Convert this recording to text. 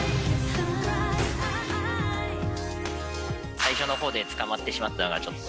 最初のほうで捕まってしまったのがちょっと。